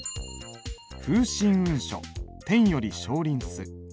「風信雲書天自り翔臨す」。